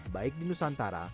baik di nusantara